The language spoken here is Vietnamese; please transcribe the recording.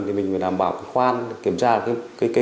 thì mình phải đảm bảo khoan kiểm tra